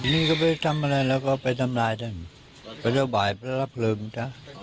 นี่ก็ไปทำอะไรแล้วก็ไปทำร้ายด้านพระเจ้าบ่ายพระรับเพลิมจ๊ะอ๋อ